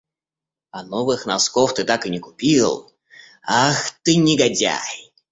А новых носков ты так и не купил? Ах, ты негодяй!